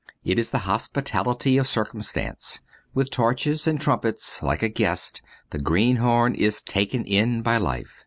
It is the hospitality of circumstance. With torches and trumpets, like a guest, the greenhorn is taken in by Life.